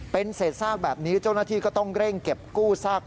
เป็นเศษซากแบบนี้เจ้าหน้าที่ก็ต้องเร่งเก็บกู้ซาก